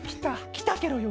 きたケロよ。